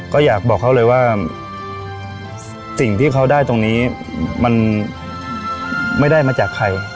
ก็อยากบอกเขาเลยว่าสิ่งที่เขาได้ตรงนี้มันไม่ได้มาจากใคร